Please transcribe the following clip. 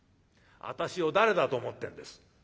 私を誰だと思ってんです。